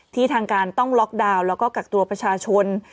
ทางการต้องล็อกดาวน์แล้วก็กักตัวประชาชน